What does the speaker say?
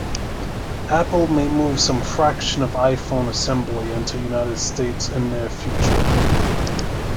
Apple may move some fraction of iPhone assembly into United States in near future.